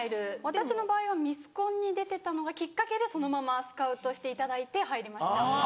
私の場合はミスコンに出てたのがきっかけでそのままスカウトしていただいて入りました。